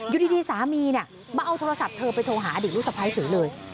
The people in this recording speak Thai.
อยู่ดีสามีมาเอาโทรศัพท์เธอไปโทรหาอดีตลูกสะพ้ายเฉยเลย